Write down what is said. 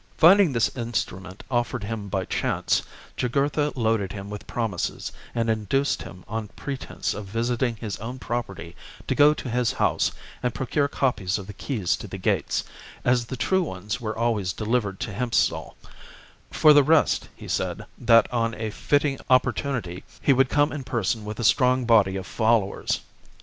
Finding this instrument offered him by chance, Jugurtha loaded him with promises, and induced him on pretence of visiting his own property to go to his house and procure copies of the keys to the gates, as the true ones were always delivered to Hiempsal ; for the rest, he said, that on a fitting opportunity he would come in person with a strong body of followers.